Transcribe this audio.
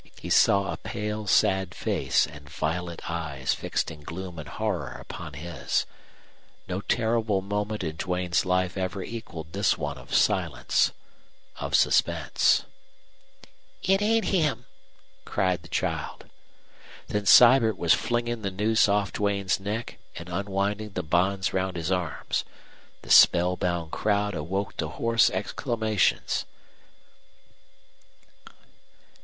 He saw a pale, sad face and violet eyes fixed in gloom and horror upon his. No terrible moment in Duane's life ever equaled this one of silence of suspense. "It's ain't him!" cried the child. Then Sibert was flinging the noose off Duane's neck and unwinding the bonds round his arms. The spellbound crowd awoke to hoarse exclamations.